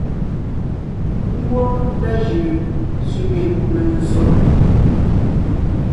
Ngwɔ́ ndá jʉʼʉ sẅiŋe menzsǒ.